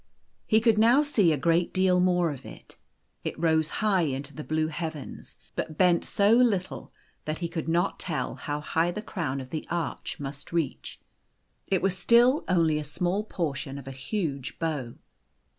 He could now see a great deal ' O O more of it. It rose hio;h into the blue heavens, but O bent so little that he could not tell how hio h the crown vJ of the arch must reach. It was still only a small por tion of a huge bow.